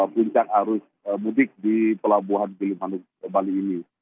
puncak arus mudik di pelabuhan gilimanuk bali ini